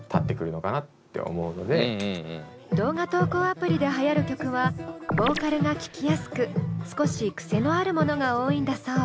動画投稿アプリではやる曲はボーカルが聴きやすく少しクセのあるものが多いんだそう。